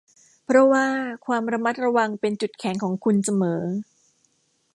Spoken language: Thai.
เพราะว่าความระมัดระวังเป็นจุดแข็งของคุณเสมอ